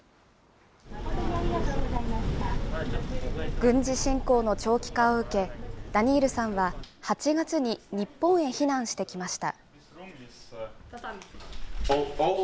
軍事侵攻の長期化を受け、ダニールさんは、８月に日本へ避難してきました。